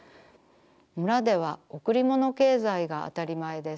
村では贈りもの経済があたりまえです。